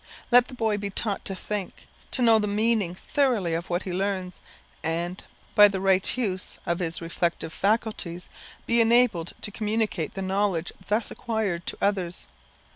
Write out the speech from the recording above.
Let the boy be taught to think, to know the meaning thoroughly of what he learns, and, by the right use of his reflective faculties, be enabled to communicate the knowledge thus acquired to others.